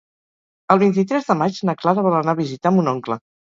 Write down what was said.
El vint-i-tres de maig na Clara vol anar a visitar mon oncle.